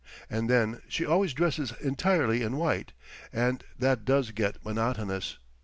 And then she always dresses entirely in white, and that does get monotonous.